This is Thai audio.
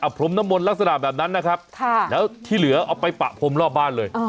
พรมน้ำมนต์ลักษณะแบบนั้นนะครับแล้วที่เหลือเอาไปปะพรมรอบบ้านเลย